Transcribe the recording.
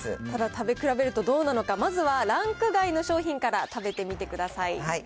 ただ、食べ比べるとどうなのか、まずはランク外の商品から食べてみてください。